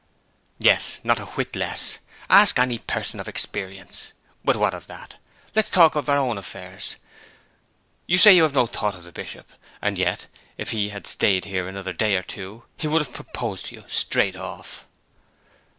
'Yes, not a whit less. Ask any person of experience. But what of that? Let's talk of our own affairs. You say you have no thought of the Bishop. And yet if he had stayed here another day or two he would have proposed to you straight off.'